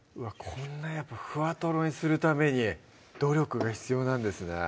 こんなやっぱふわとろにするために努力が必要なんですね